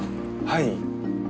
はい。